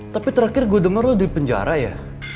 tapi terakhir gua demen lo di penjara ya